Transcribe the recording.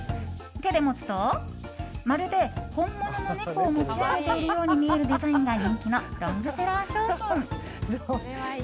手で持つと、まるで本物の猫を持ち上げているように見えるデザインが人気のロングセラー商品。